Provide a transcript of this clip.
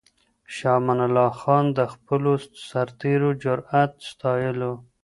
شاه امان الله خان د خپلو سرتېرو جرئت ستایلو.